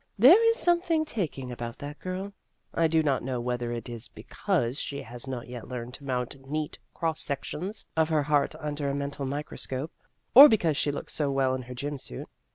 There is something taking about that girl. (I do not know whether it is be cause she has not yet learned to mount neat cross sections of her heart under a mental microscope, or because she looks so well in her gym suit.)